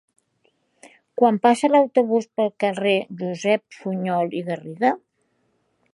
Quan passa l'autobús pel carrer Josep Sunyol i Garriga?